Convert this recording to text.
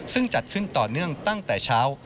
ซึ่งจัดขึ้นต่อเนื่องตั้งแต่เช้า